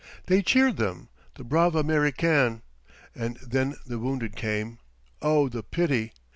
They cheered them, the brav' Américains. And then the wounded came. Oh, the pity!